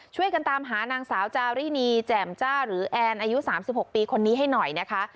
ช่วยกันตามหานางสาวจารินีแจ่มจ้าหรือแอนอายุ๓๖ปีคนนี้ให้หน่อยนะคะ